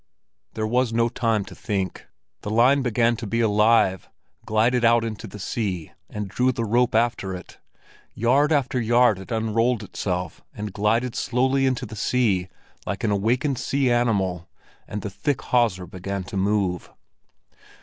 There was no time to think. The line began to be alive, glided out into the sea, and drew the rope after it. Yard after yard it unrolled itself and glided slowly into the sea like an awakened sea animal, and the thick hawser began to move.